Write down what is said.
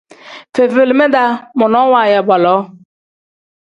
Fefelima-daa monoo waaya baaloo.